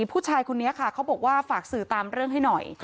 ผู้ชายคนนี้ค่ะเขาบอกว่าฝากสื่อตามเรื่องให้หน่อย